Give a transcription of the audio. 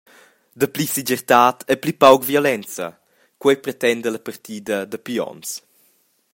Dapli segirtad e pli pauc violenza, quei pretenda la partida dapi onns.